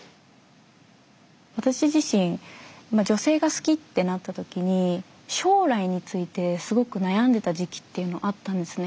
私自身女性が好きってなった時に将来についてすごく悩んでた時期っていうのあったんですね。